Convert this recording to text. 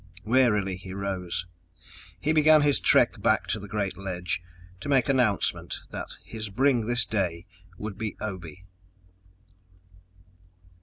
Wearily, he rose. He began his trek back to the great ledge, to make announcement that his bring this day would be Obe.